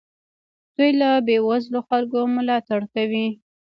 دوی له بې وزلو خلکو ملاتړ کوي.